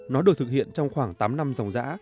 nó được thực hiện trong khoảng tám năm dòng giã